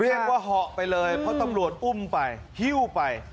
เหาะไปเลยเพราะตำรวจอุ้มไปฮิ้วไป